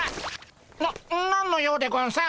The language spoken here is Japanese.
な何の用でゴンス？